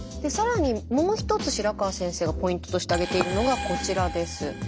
更にもう１つ白河先生がポイントとして挙げているのがこちらです。